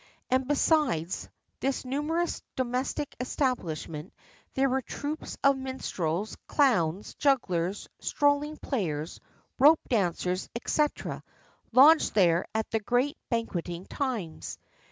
And besides this numerous domestic establishment, there were troops of minstrels, clowns, jugglers, strolling players, rope dancers, &c., lodged there at the great banqueting times.